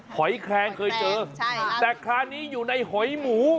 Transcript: หอยแคลงเคยเจอใช่ค่ะแต่คราวนี้อยู่ในหอยหมู